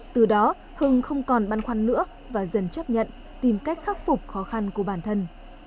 từ đó hưng không còn băn khoăn nữa và dần chấp nhận tìm cách khắc phục khó khăn của bản thân